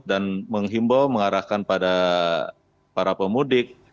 dan menghimbau mengarahkan pada para pemudik